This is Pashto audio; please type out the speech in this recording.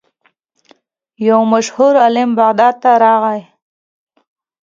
یو مشهور عالم بغداد ته راغی.